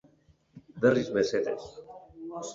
Berriz, mesedez.